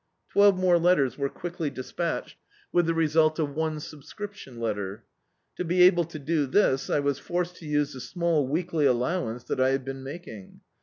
Twelve more letters were quickly despatched, with the result of one subscrip tion letter. To be able to do this I was forced to use the small weekly allowance that I had been making.